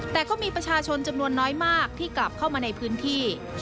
แต่ก็มีประชาชนจำนวนน้อยมากที่กลับเข้ามาในพื้นที่